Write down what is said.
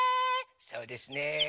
そうですね。